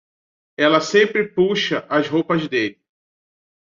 Ela sempre puxa as roupas dele